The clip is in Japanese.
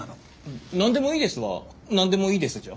「なんでもいいです」は「なんでもいいです」じゃ？